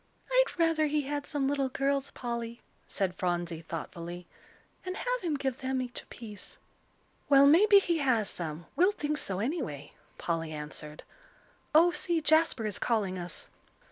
"I'd rather he had some little girls, Polly," said Phronsie, thoughtfully, "and have him give them each a piece." "Well, maybe he has some; we'll think so, anyway," Polly answered. "Oh, see, Jasper is calling us."